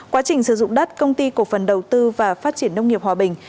quá trình sử dụng đất công ty cổ phần đầu tư và phát triển nông nghiệp hòa bình